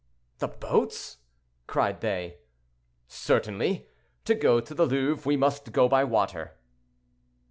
"The boats!" cried they. "Certainly; to go to the Louvre, we must go by water."